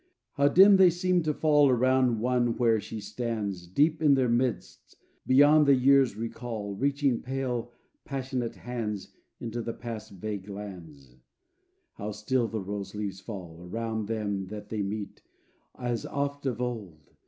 How dim they seem to fall Around one where she stands, Deep in their midst, beyond the years' recall, Reaching pale, passionate hands Into the past's vague lands. How still the rose leaves fall Around them as they meet As oft of old!